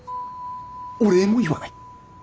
お礼も言わない。